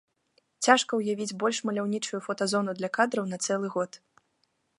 Цяжка ўявіць больш маляўнічую фотазону для кадраў на цэлы год.